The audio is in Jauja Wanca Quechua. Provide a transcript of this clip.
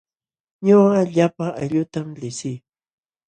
Ñuqa llapa aylluutam liqsii.